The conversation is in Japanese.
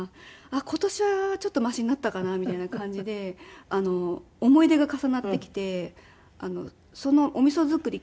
今年はちょっとマシになったかなみたいな感じで思い出が重なってきてそのおみそ作り